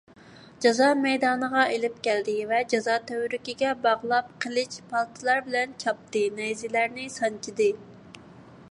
جازا مەيدانىغا ئېلىپ كەلدى ۋە جازا تۈۋرۈكىگە باغلاپ قىلىچ، پالتىلار بىلەن چاپتى، نەيزىلەرنى سانجىدى.